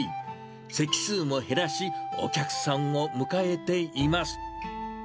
席数も減らし、お客さんを迎えています。